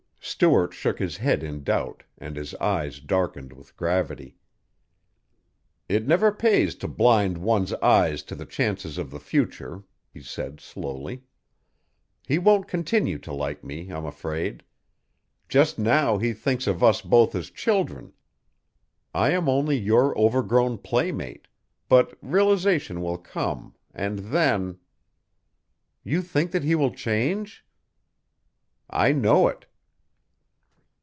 Stuart shook his head in doubt and his eyes darkened with gravity. "It never pays to blind one's eyes to the chances of the future," he said slowly. "He won't continue to like me, I'm afraid. Just now he thinks of us both as children. I am only your overgrown playmate but realization will come and then " "You think that he will change?" "I know it."